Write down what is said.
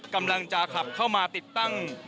กำลังจะขับเข้ามาติดตั้ง